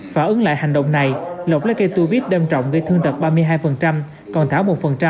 phả ứng lại hành động này lộc lấy cây tu viết đâm trọng gây thương tật ba mươi hai còn thảo một